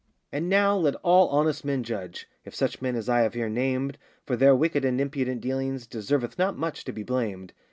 And now let all honest men judge, If such men as I have here named For their wicked and impudent dealings, Deserveth not much to be blamed.